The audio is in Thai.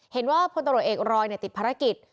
เห็นว่าพลตรวจเอกรอยติดภารกิจ